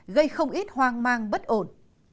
gây không ít hoang mang bất ổn